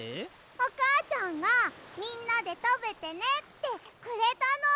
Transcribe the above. おかあちゃんがみんなでたべてねってくれたの！